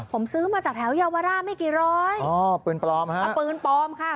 ผมซื้อมาจากแถวเยาวราชไม่กี่ร้อยอ๋อปืนปลอมฮะเอาปืนปลอมค่ะ